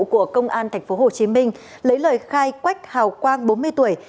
của công an tp hcm lấy lời khai quách hào quang bốn mươi tuổi